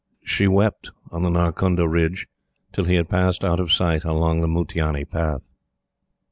She wept on the Narkunda Ridge till he had passed out of sight along the Muttiani path.